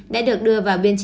đã được đưa vào biên chế